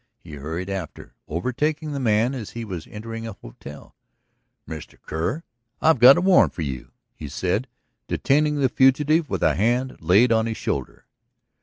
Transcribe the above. He hurried after, overtaking the man as he was entering a hotel. "Mr. Kerr, I've got a warrant for you," he said, detaining the fugitive with a hand laid on his shoulder.